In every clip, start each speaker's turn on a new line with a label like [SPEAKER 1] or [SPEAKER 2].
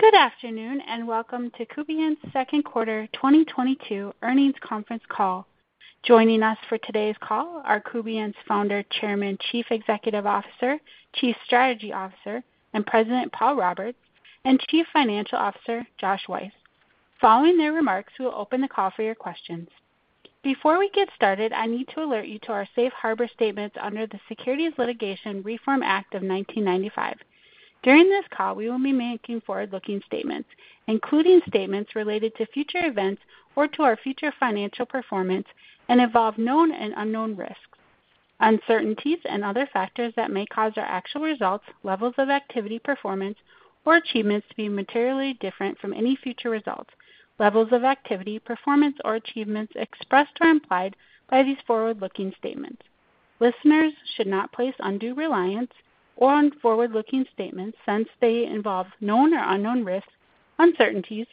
[SPEAKER 1] Good afternoon, and welcome to Kubient's Second Quarter 2022 Earnings Conference Call. Joining us for today's call are Kubient's Founder, Chairman, Chief Executive Officer, Chief Strategy Officer, and President, Paul Roberts, and Chief Financial Officer, Josh Weiss. Following their remarks, we will open the call for your questions. Before we get started, I need to alert you to our safe harbor statements under the Private Securities Litigation Reform Act of 1995. During this call, we will be making forward-looking statements, including statements related to future events or to our future financial performance and involve known and unknown risks, uncertainties and other factors that may cause our actual results, levels of activity, performance or achievements to be materially different from any future results, levels of activity, performance or achievements expressed or implied by these forward-looking statements. Listeners should not place undue reliance on forward-looking statements since they involve known or unknown risks, uncertainties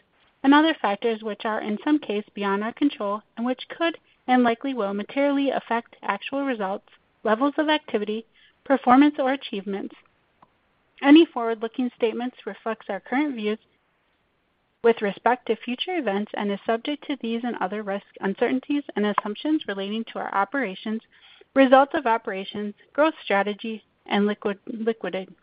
[SPEAKER 1] and other factors which are in some cases beyond our control and which could and likely will materially affect actual results, levels of activity, performance or achievements. Any forward-looking statements reflect our current views with respect to future events and are subject to these and other risks, uncertainties and assumptions relating to our operations, results of operations, growth strategy and liquidity.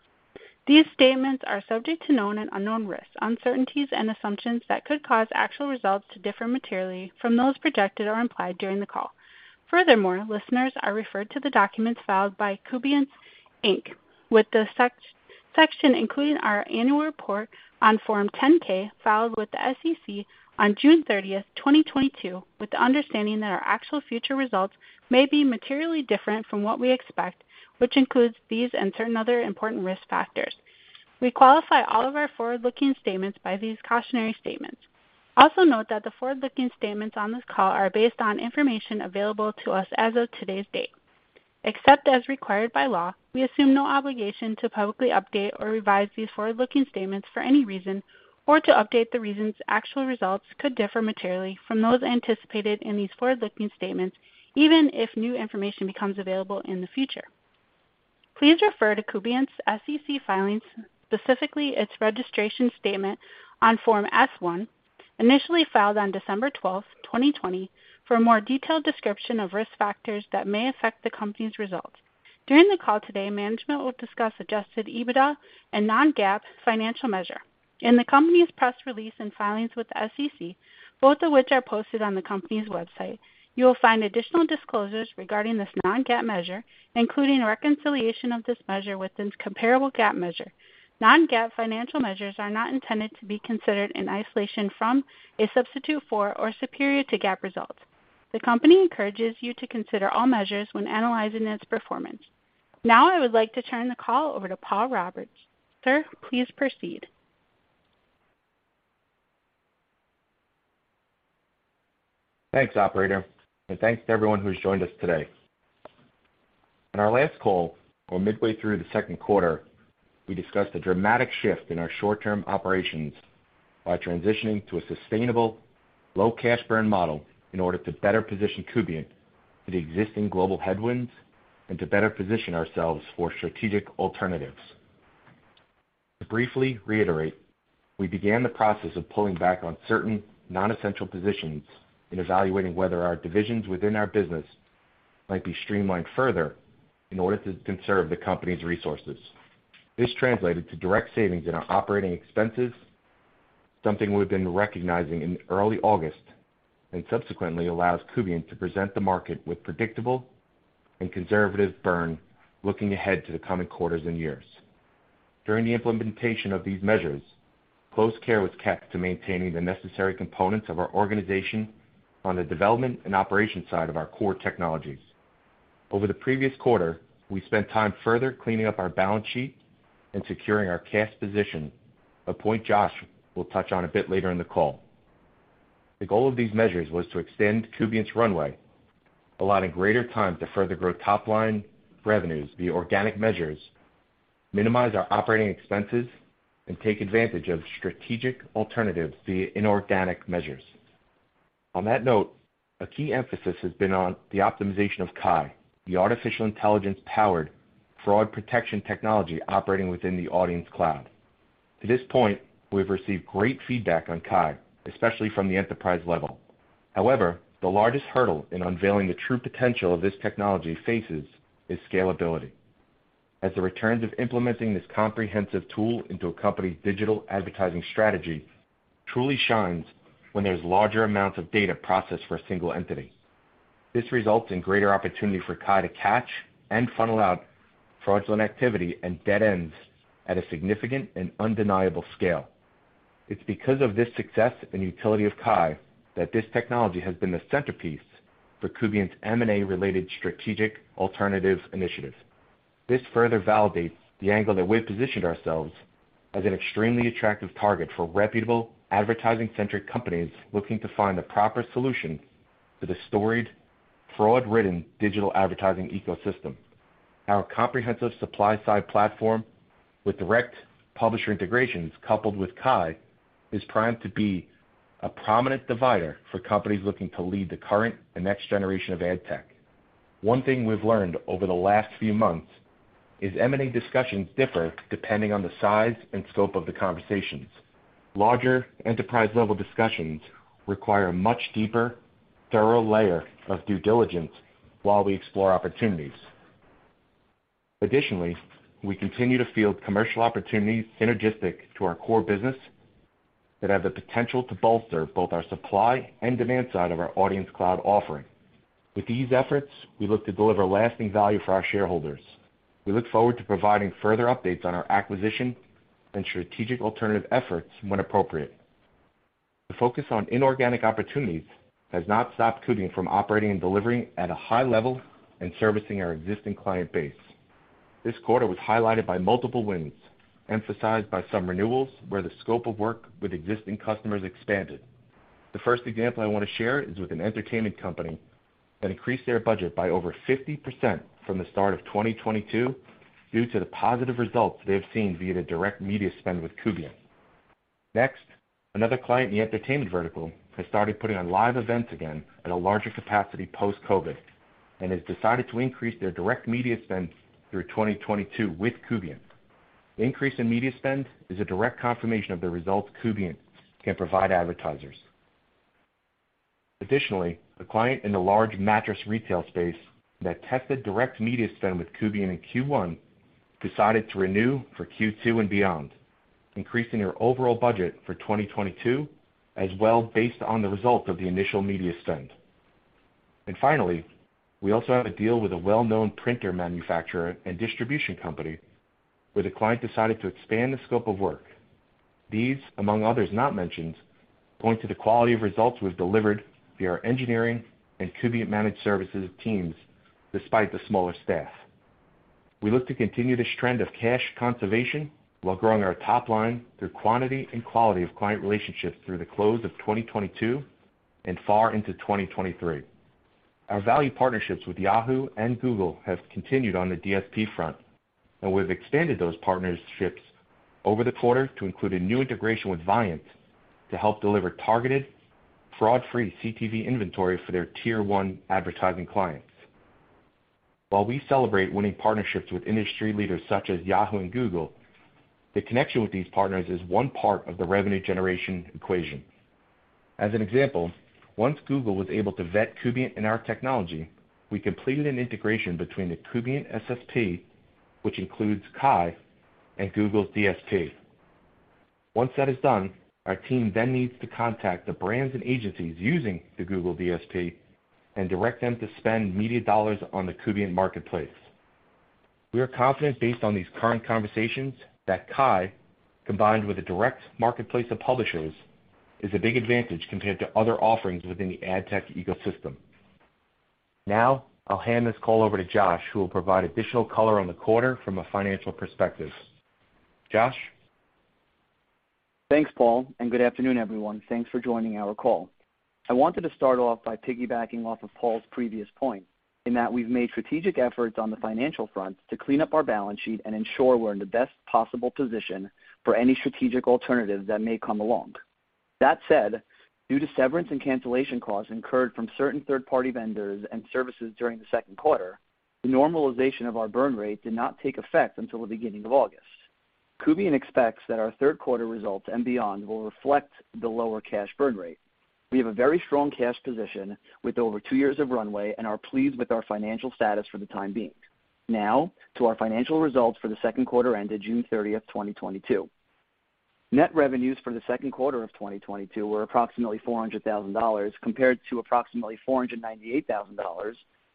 [SPEAKER 1] These statements are subject to known and unknown risks, uncertainties and assumptions that could cause actual results to differ materially from those projected or implied during the call. Furthermore, listeners are referred to the documents filed by Kubient, Inc. with the SEC, including our annual report on Form 10-K filed with the SEC on June 30, 2022, with the understanding that our actual future results may be materially different from what we expect, which includes these and certain other important risk factors. We qualify all of our forward-looking statements by these cautionary statements. Also note that the forward-looking statements on this call are based on information available to us as of today's date. Except as required by law, we assume no obligation to publicly update or revise these forward-looking statements for any reason or to update the reasons actual results could differ materially from those anticipated in these forward-looking statements, even if new information becomes available in the future. Please refer to Kubient's SEC filings, specifically its registration statement on Form S-1, initially filed on December 12, 2020, for a more detailed description of risk factors that may affect the company's results. During the call today, management will discuss adjusted EBITDA and non-GAAP financial measure. In the company's press release and filings with the SEC, both of which are posted on the company's website, you will find additional disclosures regarding this non-GAAP measure, including reconciliation of this measure with its comparable GAAP measure. Non-GAAP financial measures are not intended to be considered in isolation from, a substitute for, or superior to GAAP results. The company encourages you to consider all measures when analyzing its performance. Now I would like to turn the call over to Paul Roberts. Sir, please proceed.
[SPEAKER 2] Thanks, operator, and thanks to everyone who's joined us today. On our last call or midway through the second quarter, we discussed a dramatic shift in our short-term operations by transitioning to a sustainable low cash burn model in order to better position Kubient to the existing global headwinds and to better position ourselves for strategic alternatives. To briefly reiterate, we began the process of pulling back on certain non-essential positions in evaluating whether our divisions within our business might be streamlined further in order to conserve the company's resources. This translated to direct savings in our operating expenses, something we've been recognizing in early August and subsequently allows Kubient to present the market with predictable and conservative burn looking ahead to the coming quarters and years. During the implementation of these measures, close care was kept to maintaining the necessary components of our organization on the development and operation side of our core technologies. Over the previous quarter, we spent time further cleaning up our balance sheet and securing our cash position, a point Josh will touch on a bit later in the call. The goal of these measures was to extend Kubient's runway, allotting greater time to further grow top-line revenues via organic measures, minimize our operating expenses, and take advantage of strategic alternatives via inorganic measures. On that note, a key emphasis has been on the optimization of KAI, the artificial intelligence-powered fraud protection technology operating within the Audience Cloud. To this point, we've received great feedback on KAI, especially from the enterprise level. However, the largest hurdle in unveiling the true potential of this technology faces is scalability. As the returns of implementing this comprehensive tool into a company's digital advertising strategy truly shines when there's larger amounts of data processed for a single entity. This results in greater opportunity for KAI to catch and filter out fraudulent activity and dead ends at a significant and undeniable scale. It's because of this success and utility of KAI that this technology has been the centerpiece for Kubient's M&A related strategic alternative initiatives. This further validates the angle that we've positioned ourselves as an extremely attractive target for reputable advertising centric companies looking to find the proper solution to the storied fraud-ridden digital advertising ecosystem. Our comprehensive supply side platform with direct publisher integrations coupled with KAI is primed to be a prominent divider for companies looking to lead the current and next generation of ad tech. One thing we've learned over the last few months is M&A discussions differ depending on the size and scope of the conversations. Larger enterprise-level discussions require a much deeper, thorough layer of due diligence while we explore opportunities. Additionally, we continue to field commercial opportunities synergistic to our core business that have the potential to bolster both our supply and demand side of our Audience Cloud offering. With these efforts, we look to deliver lasting value for our shareholders. We look forward to providing further updates on our acquisition and strategic alternative efforts when appropriate. The focus on inorganic opportunities has not stopped Kubient from operating and delivering at a high level and servicing our existing client base. This quarter was highlighted by multiple wins, emphasized by some renewals where the scope of work with existing customers expanded. The first example I want to share is with an entertainment company that increased their budget by over 50% from the start of 2022 due to the positive results they have seen via the direct media spend with Kubient. Next, another client in the entertainment vertical has started putting on live events again at a larger capacity post-COVID and has decided to increase their direct media spend through 2022 with Kubient. The increase in media spend is a direct confirmation of the results Kubient can provide advertisers. Additionally, a client in the large mattress retail space that tested direct media spend with Kubient in Q1 decided to renew for Q2 and beyond, increasing their overall budget for 2022 as well based on the result of the initial media spend. Finally, we also have a deal with a well-known printer manufacturer and distribution company where the client decided to expand the scope of work. These, among others not mentioned, point to the quality of results we've delivered via our engineering and Kubient managed services teams despite the smaller staff. We look to continue this trend of cash conservation while growing our top line through quantity and quality of client relationships through the close of 2022 and far into 2023. Our value partnerships with Yahoo and Google have continued on the DSP front, and we've expanded those partnerships over the quarter to include a new integration with Viant to help deliver targeted, fraud-free CTV inventory for their tier one advertising clients. While we celebrate winning partnerships with industry leaders such as Yahoo and Google, the connection with these partners is one part of the revenue generation equation. As an example, once Google was able to vet Kubient and our technology, we completed an integration between the Kubient SSP, which includes KAI, and Google's DSP. Once that is done, our team then needs to contact the brands and agencies using the Google DSP and direct them to spend media dollars on the Kubient marketplace. We are confident based on these current conversations that KAI, combined with a direct marketplace of publishers, is a big advantage compared to other offerings within the ad tech ecosystem. Now, I'll hand this call over to Josh, who will provide additional color on the quarter from a financial perspective. Josh?
[SPEAKER 3] Thanks, Paul, and good afternoon, everyone. Thanks for joining our call. I wanted to start off by piggybacking off of Paul's previous point in that we've made strategic efforts on the financial front to clean up our balance sheet and ensure we're in the best possible position for any strategic alternative that may come along. That said, due to severance and cancellation costs incurred from certain third-party vendors and services during the second quarter, the normalization of our burn rate did not take effect until the beginning of August. Kubient expects that our third quarter results and beyond will reflect the lower cash burn rate. We have a very strong cash position with over two years of runway and are pleased with our financial status for the time being. Now to our financial results for the second quarter ended June 30, 2022. Net revenues for the second quarter of 2022 were approximately $400 thousand compared to approximately $498 thousand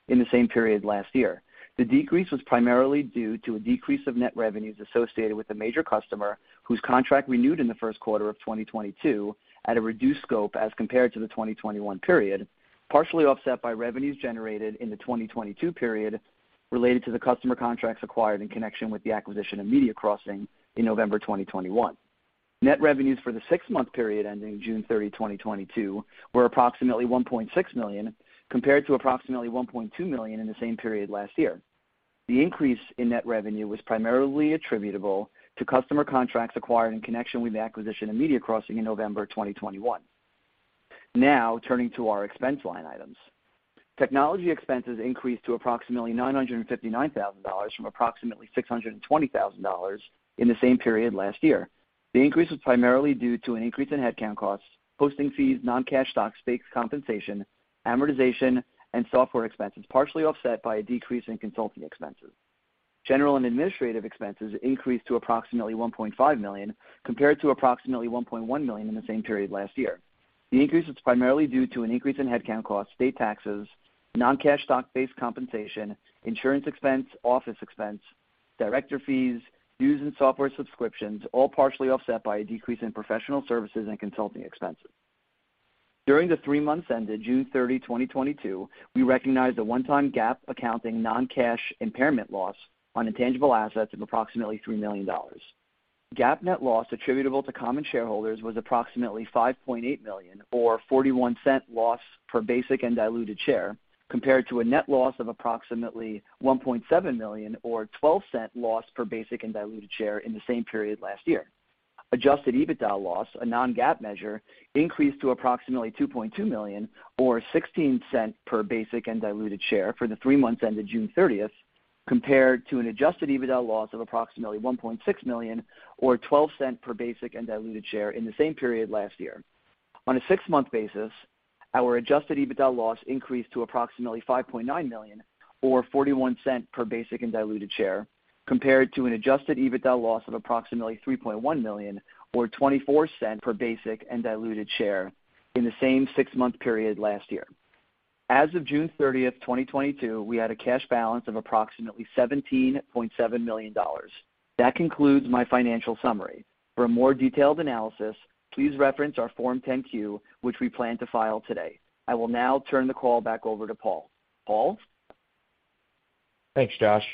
[SPEAKER 3] in the same period last year. The decrease was primarily due to a decrease of net revenues associated with a major customer whose contract renewed in the first quarter of 2022 at a reduced scope as compared to the 2021 period, partially offset by revenues generated in the 2022 period related to the customer contracts acquired in connection with the acquisition of MediaCrossing Inc. in November 2021. Net revenues for the six-month period ending June 30, 2022 were approximately $1.6 million, compared to approximately $1.2 million in the same period last year. The increase in net revenue was primarily attributable to customer contracts acquired in connection with the acquisition of MediaCrossing Inc. in November 2021. Now, turning to our expense line items. Technology expenses increased to approximately $959,000 from approximately $620,000 in the same period last year. The increase was primarily due to an increase in headcount costs, hosting fees, non-cash stock-based compensation, amortization, and software expenses, partially offset by a decrease in consulting expenses. General and administrative expenses increased to approximately $1.5 million, compared to approximately $1.1 million in the same period last year. The increase was primarily due to an increase in headcount costs, state taxes, non-cash stock-based compensation, insurance expense, office expense, director fees, dues and software subscriptions, all partially offset by a decrease in professional services and consulting expenses. During the three months ended June 30, 2022, we recognized a one-time GAAP accounting non-cash impairment loss on intangible assets of approximately $3 million. GAAP net loss attributable to common shareholders was approximately $5.8 million, or 41-cent loss per basic and diluted share, compared to a net loss of approximately $1.7 million, or 12-cent loss per basic and diluted share in the same period last year. Adjusted EBITDA loss, a non-GAAP measure, increased to approximately $2.2 million or 16 cents per basic and diluted share for the three months ended June 30, compared to an adjusted EBITDA loss of approximately $1.6 million or 12 cents per basic and diluted share in the same period last year. On a six-month basis, our adjusted EBITDA loss increased to approximately $5.9 million or $0.41 per basic and diluted share, compared to an adjusted EBITDA loss of approximately $3.1 million or $0.24 per basic and diluted share in the same six-month period last year. As of June 30, 2022, we had a cash balance of approximately $17.7 million. That concludes my financial summary. For a more detailed analysis, please reference our Form 10-Q, which we plan to file today. I will now turn the call back over to Paul. Paul?
[SPEAKER 2] Thanks, Josh.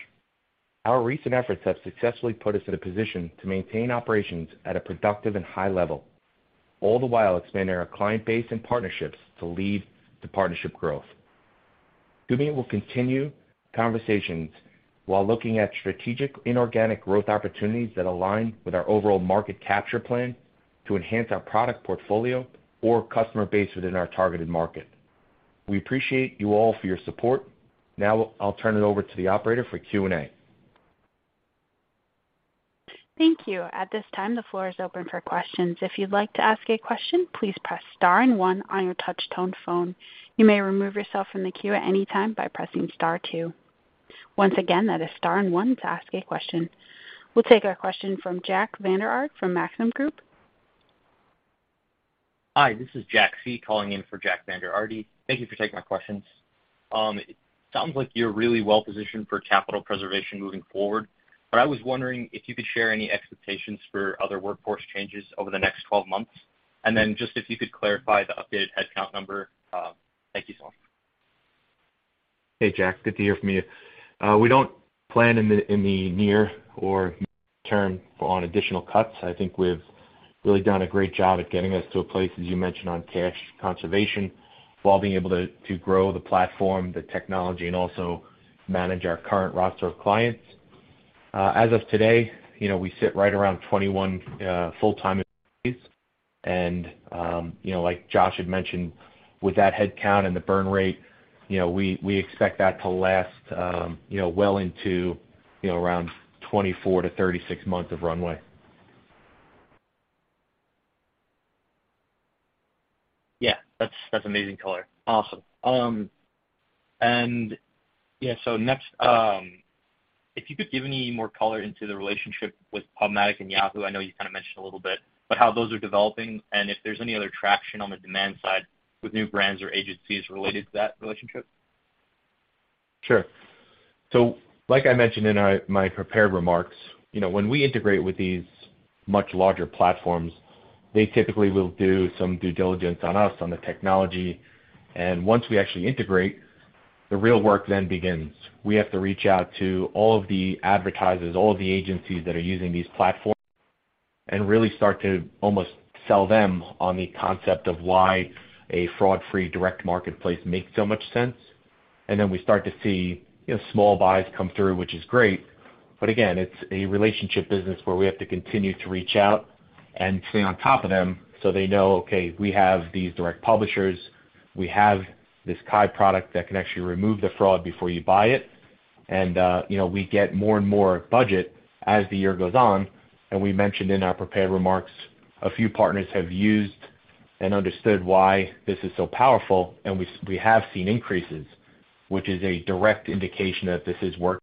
[SPEAKER 2] Our recent efforts have successfully put us in a position to maintain operations at a productive and high level, all the while expanding our client base and partnerships to lead to partnership growth. Kubient will continue conversations while looking at strategic inorganic growth opportunities that align with our overall market capture plan to enhance our product portfolio or customer base within our targeted market. We appreciate you all for your support. Now I'll turn it over to the operator for Q&A.
[SPEAKER 1] Thank you. At this time, the floor is open for questions. If you'd like to ask a question, please press star and one on your touch tone phone. You may remove yourself from the queue at any time by pressing star two. Once again, that is star and one to ask a question. We'll take a question from Jack Vander Aarde from Maxim Group.
[SPEAKER 4] Hi, this is Jack C. calling in for Jack Vander Aarde. Thank you for taking my questions. It sounds like you're really well-positioned for capital preservation moving forward, but I was wondering if you could share any expectations for other workforce changes over the next 12 months. Just if you could clarify the updated headcount number. Thank you so much.
[SPEAKER 2] Hey, Jack. Good to hear from you. We don't plan in the near or long-term on additional cuts. I think we've really done a great job at getting us to a place, as you mentioned, on cash conservation while being able to grow the platform, the technology, and also manage our current roster of clients. As of today, you know, we sit right around 21 full-time employees. You know, like Josh had mentioned, with that head count and the burn rate, you know, we expect that to last well into around 24-36 months of runway.
[SPEAKER 4] Yeah. That's amazing color. Awesome. Yeah, next, if you could give any more color into the relationship with PubMatic and Yahoo. I know you kinda mentioned a little bit, but how those are developing and if there's any other traction on the demand side with new brands or agencies related to that relationship.
[SPEAKER 2] Sure. Like I mentioned in my prepared remarks, you know, when we integrate with these much larger platforms, they typically will do some due diligence on us, on the technology. Once we actually integrate, the real work then begins. We have to reach out to all of the advertisers, all of the agencies that are using these platforms and really start to almost sell them on the concept of why a fraud-free direct marketplace makes so much sense. Then we start to see, you know, small buys come through, which is great. Again, it's a relationship business where we have to continue to reach out and stay on top of them so they know, okay, we have these direct publishers, we have this KAI product that can actually remove the fraud before you buy it. You know, we get more and more budget as the year goes on. We mentioned in our prepared remarks, a few partners have used and understood why this is so powerful, and we have seen increases, which is a direct indication that this is working.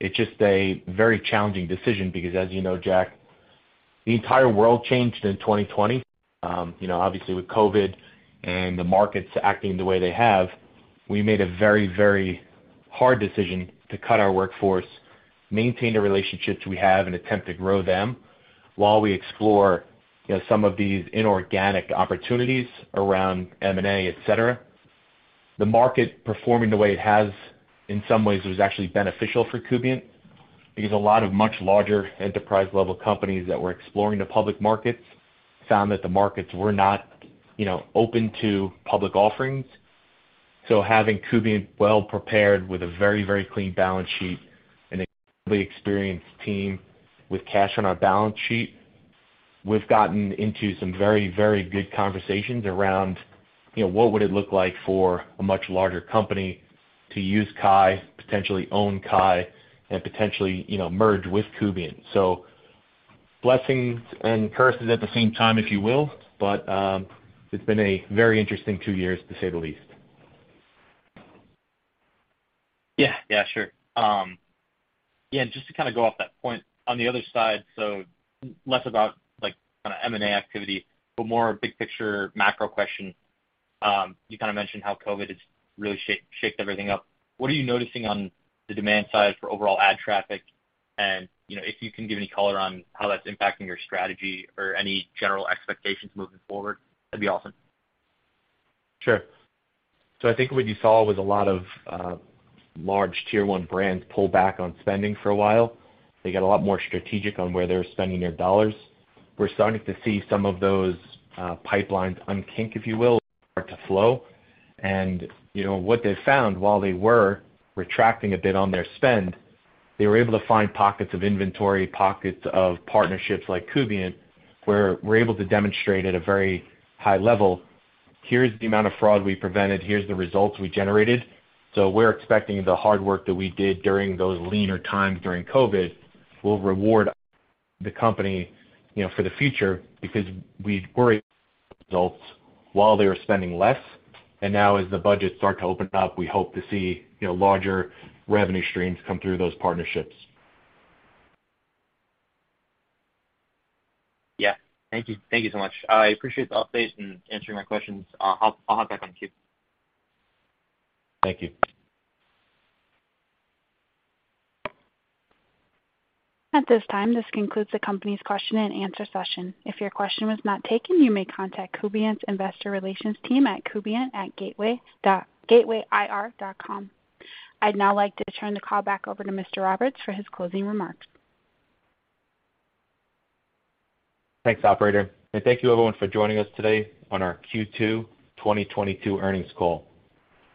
[SPEAKER 2] It's just a very challenging decision because as you know, Jack, the entire world changed in 2020. Obviously with COVID and the markets acting the way they have, we made a very, very hard decision to cut our workforce, maintain the relationships we have and attempt to grow them while we explore, you know, some of these inorganic opportunities around M&A, et cetera. The market performing the way it has, in some ways, was actually beneficial for Kubient because a lot of much larger enterprise-level companies that were exploring the public markets found that the markets were not, you know, open to public offerings. Having Kubient well prepared with a very, very clean balance sheet and a completely experienced team with cash on our balance sheet, we've gotten into some very, very good conversations around, you know, what would it look like for a much larger company to use KAI, potentially own KAI, and potentially, you know, merge with Kubient. Blessings and curses at the same time, if you will. It's been a very interesting two years, to say the least.
[SPEAKER 4] Yeah, sure. Yeah, just to kinda go off that point on the other side, so less about like kinda M&A activity, but more big picture macro question. You kinda mentioned how COVID has really shaken everything up. What are you noticing on the demand side for overall ad traffic? And, you know, if you can give any color on how that's impacting your strategy or any general expectations moving forward, that'd be awesome.
[SPEAKER 2] Sure. I think what you saw was a lot of large Tier 1 brands pull back on spending for a while. They got a lot more strategic on where they're spending their dollars. We're starting to see some of those pipelines unkink, if you will, start to flow. You know, what they found while they were retracting a bit on their spend, they were able to find pockets of inventory, pockets of partnerships like Kubient, where we're able to demonstrate at a very high level, here's the amount of fraud we prevented, here's the results we generated. We're expecting the hard work that we did during those leaner times during COVID will reward the company, you know, for the future because we delivered results while they are spending less. Now as the budgets start to open up, we hope to see, you know, larger revenue streams come through those partnerships.
[SPEAKER 4] Yeah. Thank you. Thank you so much. I appreciate the update and answering my questions. I'll hop back in queue.
[SPEAKER 2] Thank you.
[SPEAKER 1] At this time, this concludes the company's question and answer session. If your question was not taken, you may contact Kubient's investor relations team at Kubient@gatewayir.com. I'd now like to turn the call back over to Mr. Roberts for his closing remarks.
[SPEAKER 2] Thanks, operator, and thank you everyone for joining us today on our Q2 2022 earnings call.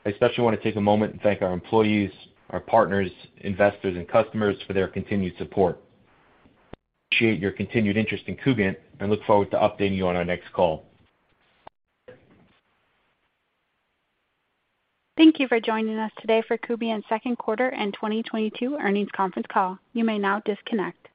[SPEAKER 2] I especially wanna take a moment and thank our employees, our partners, investors and customers for their continued support. Appreciate your continued interest in Kubient and look forward to updating you on our next call.
[SPEAKER 1] Thank you for joining us today for Kubient's second quarter and 2022 earnings conference call. You may now disconnect.